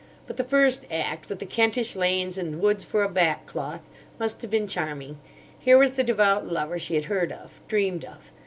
But the first act, with the Kentish lanes and woods for a back cloth, must have been charming. Here was the devout lover she had heard of, dreamed of.